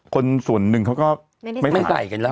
คนส่วนหนึ่งเขาก็ไม่ใส่